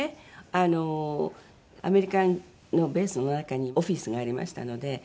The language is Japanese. あのアメリカのベースの中にオフィスがありましたので。